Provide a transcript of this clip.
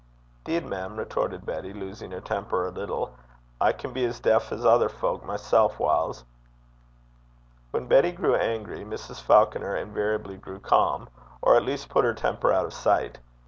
''Deed, mem,' retorted Betty, losing her temper a little, 'I can be as deif 's ither fowk mysel' whiles.' When Betty grew angry, Mrs. Falconer invariably grew calm, or, at least, put her temper out of sight.